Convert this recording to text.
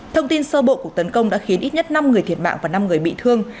thông tin sơ bộ cuộc tấn công đã khiến ít nhất năm người thiệt mạng và năm người bị thương